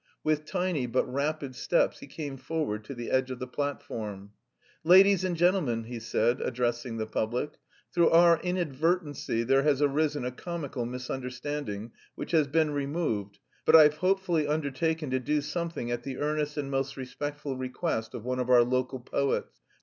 With tiny but rapid steps he came forward to the edge of the platform. "Ladies and gentlemen," he said, addressing the public, "through our inadvertency there has arisen a comical misunderstanding which has been removed; but I've hopefully undertaken to do something at the earnest and most respectful request of one of our local poets.